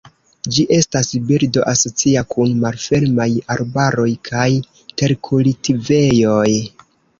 Ĝi estas birdo asocia kun malfermaj arbaroj kaj terkultivejoj.